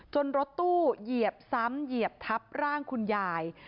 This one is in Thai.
รถตู้เหยียบซ้ำเหยียบทับร่างคุณยาย